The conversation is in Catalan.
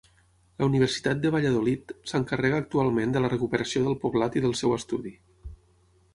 La Universitat de Valladolid s'encarrega actualment de la recuperació del poblat i del seu estudi.